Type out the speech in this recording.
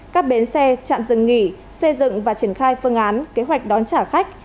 các bến xe trạm dừng nghỉ xây dựng và triển khai phương án kế hoạch đón trả khách